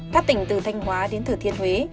thác tỉnh từ thanh hóa đến thử thiên huế